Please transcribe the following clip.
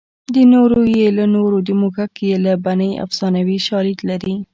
د نورو یې له نورو د موږک یې له بنۍ افسانوي شالید لري